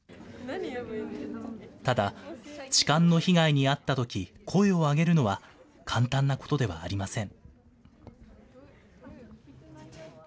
ただ、痴漢の被害に遭ったとき、声を上げるのは、簡単なことではありません。